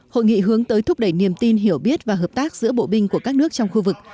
hội nghị hướng tới thúc đẩy niềm tin hiểu biết và hợp tác giữa bộ binh của các nước trong khu vực